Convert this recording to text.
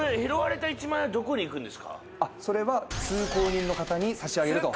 それは通行人の方に差し上げると。